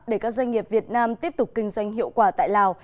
để các doanh nghiệp việt nam tiếp tục kinh doanh hiệu quả tại lào